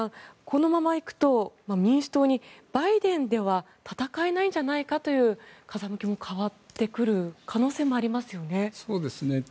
このままいくと、民主党バイデンでは戦えないんじゃないかという風向きも変わってくる可能性もありますよね。